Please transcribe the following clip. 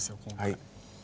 はい。